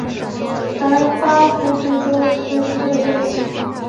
白花胡颓子为胡颓子科胡颓子属下的一个种。